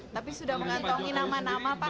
tapi sudah mengantongi nama nama pak